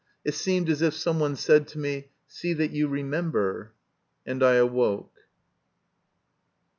It seemed as if someone said to me, " See that you remember !" And I awoke.